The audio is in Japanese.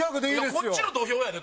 こっちの土俵やで？